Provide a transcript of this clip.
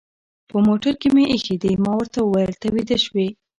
په موټر کې مې اېښي دي، ما ورته وویل: ته ویده شوې؟